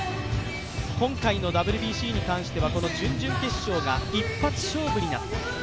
今回のＷＢＣに関してはこの準々決勝が一発勝負になっています。